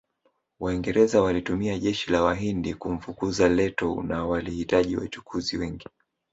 Waingereza walitumia jeshi la Wahindi kumfukuza Lettow na walihitaji wachukuzi wengi